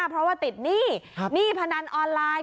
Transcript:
เพราะว่าติดหนี้หนี้พนันออนไลน์